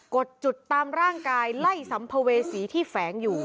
ดจุดตามร่างกายไล่สัมภเวษีที่แฝงอยู่